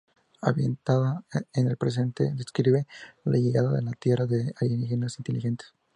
Ambientada en el presente, describe la llegada a la tierra de alienígenas inteligentes.